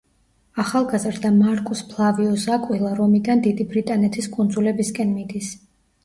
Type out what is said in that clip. ახალგაზრდა მარკუს ფლავიუს აკვილა რომიდან დიდი ბრიტანეთის კუნძულებისკენ მიდის.